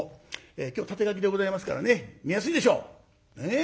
今日縦書きでございますからね見やすいでしょう！ねえ？